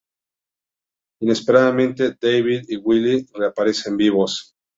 Inesperadamente, David y Willy reaparecen vivos.